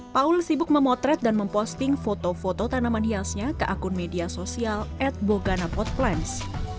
paul sibuk memotret dan memposting foto foto tanaman hiasnya ke akun media sosial at bogana pot plans